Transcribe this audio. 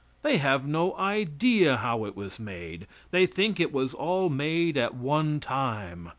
They have no idea how it was made. They think it was all made at one time.